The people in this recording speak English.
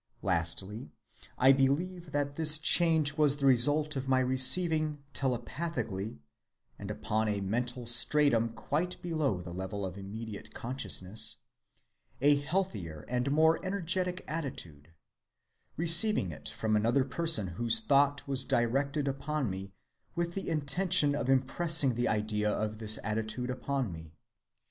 Lastly, I believe that this change was the result of my receiving telepathically, and upon a mental stratum quite below the level of immediate consciousness, a healthier and more energetic attitude, receiving it from another person whose thought was directed upon me with the intention of impressing the idea of this attitude upon me.